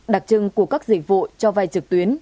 đặc trưng của các dịch vụ cho vay trực tuyến